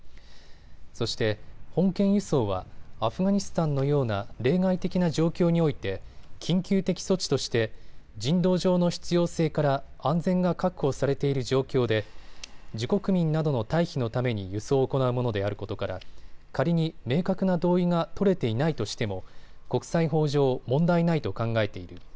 そして本件輸送はアフガニスタンのような例外的な状況において緊急的措置として人道上の必要性から安全が確保されている状況で自国民などの退避のために輸送を行うものであることから、仮に明確な同意が取れていないとしても国際法上、問題ないと考えている。